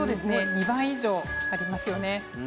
２倍以上ありますよね。